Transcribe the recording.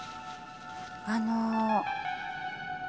あの。